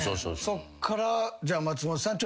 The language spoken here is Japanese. そっからじゃあ松本さん